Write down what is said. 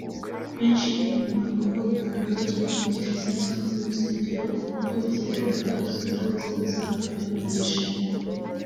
Benshi uwo muhango bawukoraga bakiva mu Kiliziya cyangwa mu rusengero kuko bizeraga ko izo ndabo ziba zahawe umugisha